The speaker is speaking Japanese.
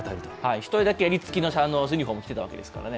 １人だけ襟付きのユニフォームをつけていたわけですからね。